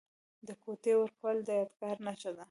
د ګوتې ورکول د یادګار نښه ده.